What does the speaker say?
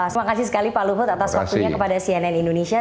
terima kasih sekali pak luhut atas waktunya kepada cnn indonesia